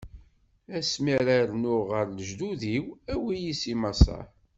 Ass mi ara rnuɣ ɣer lejdud-iw, awi-yi si Maṣer.